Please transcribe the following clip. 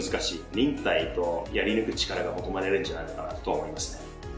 忍耐とやり抜く力が求められるんじゃないのかなと思いますね。